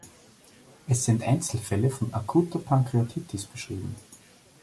Es sind Einzelfälle von akuter Pankreatitis beschrieben.